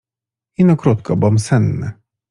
Ino krótko, bom senny.